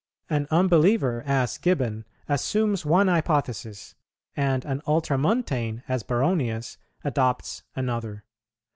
An unbeliever, as Gibbon, assumes one hypothesis, and an Ultra montane, as Baronius, adopts another.